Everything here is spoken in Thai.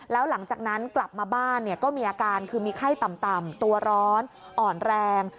แล้วหลังจากนั้นกลับมาบ้านก็มีอาการคือมีไข้ต่ำตัวร้อนอ่อนแรง